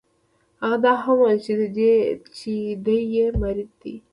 هغه دا هم وویل چې دی یې مرید دی.